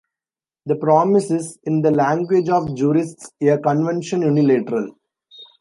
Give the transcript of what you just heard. The promise is, in the language of jurists, a convention unilateral.